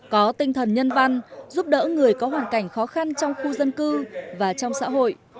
có tinh thần nhân văn giúp đỡ người có hoàn cảnh khó khăn trong khu dân cư và trong xã hội